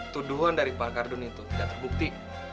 tuduhan dari pak kardun itu tidak terbukti